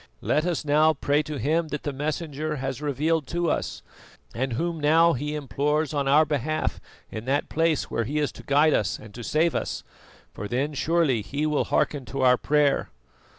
Let us now pray to Him that the Messenger has revealed to us, and Whom now he implores on our behalf in that place where he is to guide us and to save us, for then surely He will hearken to our prayer."